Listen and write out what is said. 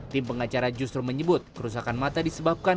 tim pengacara justru menyebut kerusakan mata disebabkan